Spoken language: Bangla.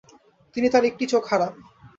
তিনি তার একটি চোখ হারান।